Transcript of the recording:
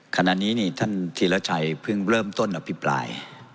ขณะนี้นี่ท่านธีรชัยเพิ่งเริ่มต้นอภิปราย